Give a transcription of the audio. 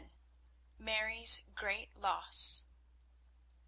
MARY'S GREAT LOSS.